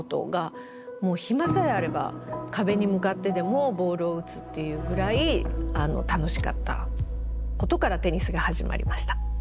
もう暇さえあれば壁に向かってでもボールを打つっていうぐらい楽しかったことからテニスが始まりました。